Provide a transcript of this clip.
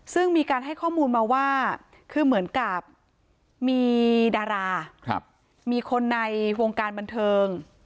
ซึ่งมีการให้ข้อมูลมาว่าคือเหมือนกับมีดารามีคนในวงการบันเทิง